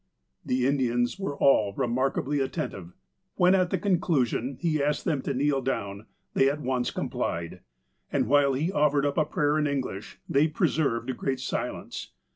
The Indians were all remarkably attentive. When, at the conclusion, he asked them to kneel down, they at once complied. And while he offered up a prayer in English, they preserved great silence.